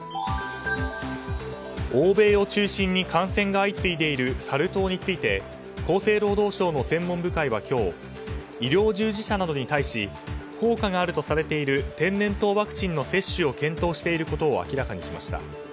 欧米を中心に感染が相次いでいるサル痘について厚生労働省の専門部会は今日医療従事者などに対し効果があるとされている天然痘ワクチンの接種を検討していることを明らかにしました。